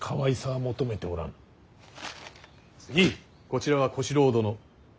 こちらは小四郎殿。